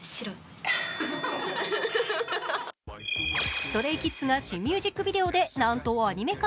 ＳｔｒａｙＫｉｄｓが新ミュージックビデオでなんとアニメ化。